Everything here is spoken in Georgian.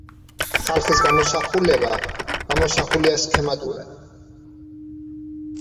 ხალხის გამოსახულება გამოსახულია სქემატურად.